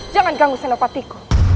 jangan ganggu senopatiku